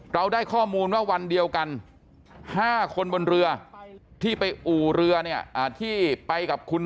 เราได้ข้อมูลว่าวันเดียวกัน๕คนบนเรือที่ไปอู่เรือเนี่ยที่ไปกับคุณ